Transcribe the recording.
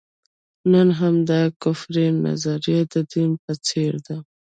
نن همدا کفري نظریه د دین په څېر ده.